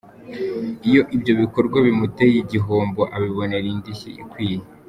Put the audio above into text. Iyo ibyo bikorwa bimuteye gihombo abibonera indishyi ikwiye.